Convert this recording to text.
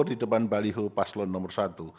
di depan baliho paslon nomor satu